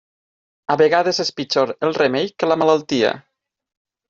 A vegades és pitjor el remei que la malaltia.